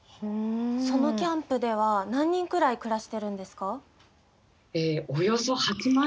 そのキャンプでは何人くらい暮らしてるんですか？